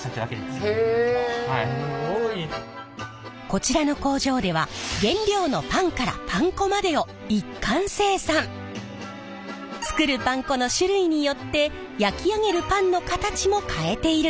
こちらの工場では作るパン粉の種類によって焼き上げるパンの形も変えているんです！